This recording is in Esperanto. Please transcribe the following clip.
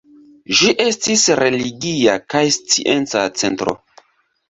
Ĝi estis religia kaj scienca centro.